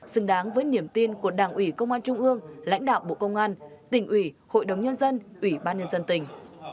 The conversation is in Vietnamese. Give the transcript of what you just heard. xứng đáng với niềm tin của đảng ủy công an trung ương lãnh đạo bộ công an tỉnh ủy hội đồng nhân dân ủy ban nhân dân tỉnh